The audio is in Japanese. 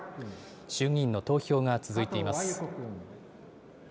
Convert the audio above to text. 衆議院の投票が続いています。